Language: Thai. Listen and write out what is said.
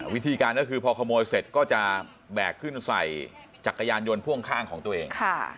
วิธีการก็คือพอขโมยเสร็จก็จะแบกขึ้นใส่จักรยานยนต์พ่วงข้างของตัวเอง